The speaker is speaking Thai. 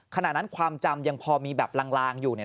ขณะนั้นความจำยังพอมีแบบลางอยู่